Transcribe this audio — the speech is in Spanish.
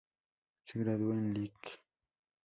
Se graduó de Lic.